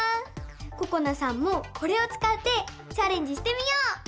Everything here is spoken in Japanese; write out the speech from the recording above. ここなさんもこれをつかってチャレンジしてみよう！